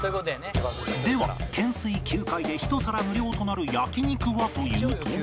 では懸垂９回で１皿無料となる焼肉はというと。